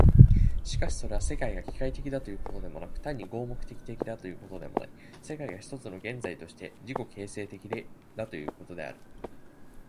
しかしそれは、世界が機械的だということでもなく、単に合目的的だということでもない、世界が一つの現在として自己形成的だということである。